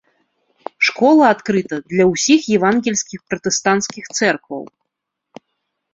Школа адкрыта для ўсіх евангельскіх пратэстанцкіх цэркваў.